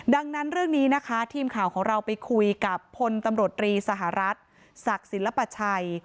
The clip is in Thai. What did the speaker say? ดังนั้นเรื่องนี้นะคะทีมข่าวของเราไปคุยกับพลตำรวจรีสหรัฐศักดิ์ศิลปชัย